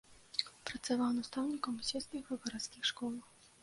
Працаваў настаўнікам у сельскіх і гарадскіх школах.